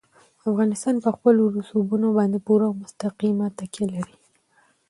افغانستان په خپلو رسوبونو باندې پوره او مستقیمه تکیه لري.